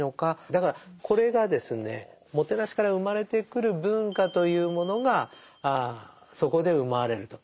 だからこれがですねもてなしから生まれてくる文化というものがそこで生まれると。